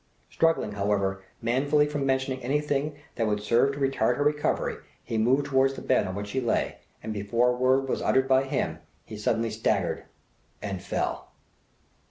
Struggling, however, manfully from mentioning anything that would serve to retard her recovery, he moved towards the bed on which she lay, and before a word was uttered by him he suddenly staggered and fell.